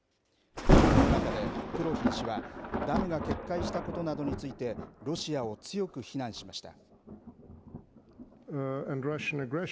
この中で、プロヒー氏は、ダムが決壊したことなどについてロシアを強く非難しました。